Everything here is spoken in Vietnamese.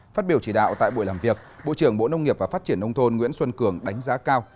phát biểu chỉ đạo tại buổi làm việc bộ trưởng bộ nông nghiệp và phát triển nông thôn nguyễn xuân cường đánh giá cao